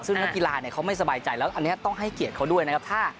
ซึ่งนักกีฬาเขาไม่สบายใจแล้วอันนี้ต้องให้เกียรติเขาด้วยนะครับ